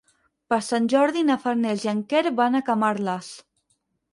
Per Sant Jordi na Farners i en Quer van a Camarles.